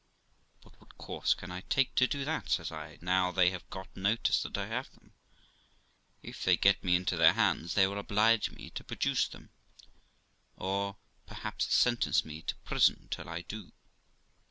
'But what course can I take to do that', says I, 'now they have got notice that I have them? If they get me into their hands they will oblige me to produce them, or perhaps sentence me to prison till I do.'